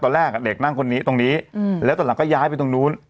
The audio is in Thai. แรกเด็กนั่งคนนี้ตรงนี้แล้วตอนหลังก็ย้ายไปตรงนู้น